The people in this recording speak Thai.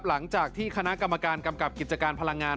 หลังจากที่คณะกรรมการกำกับกิจการพลังงาน